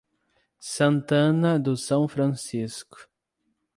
Santana do São Francisco